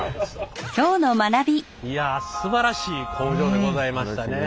いやすばらしい工場でございましたね。